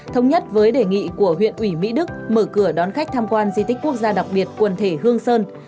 thống nhất với đề nghị của huyện ủy mỹ đức mở cửa đón khách tham quan di tích quốc gia đặc biệt quần thể hương sơn